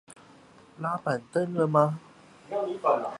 拉板凳了嗎